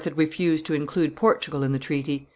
had refused to include Portugal in the treaty.